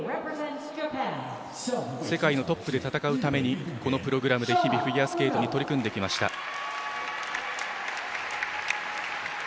世界のトップで戦うためにこのプログラムで日々、フィギュアスケートに取り組んできました。